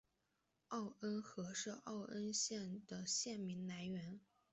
奥恩河是奥恩省的省名来源。